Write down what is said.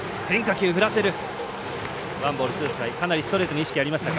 かなりストレートに意識がありますか。